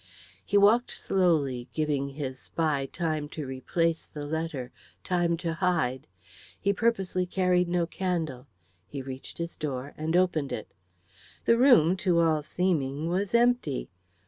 He walked slowly, giving his spy time to replace the letter, time to hide. He purposely carried no candle, he reached his door and opened it. The room to all seeming was empty.